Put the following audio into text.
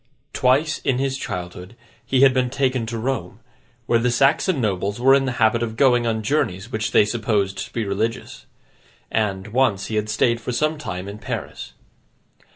Twice in his childhood, he had been taken to Rome, where the Saxon nobles were in the habit of going on journeys which they supposed to be religious; and, once, he had stayed for some time in Paris.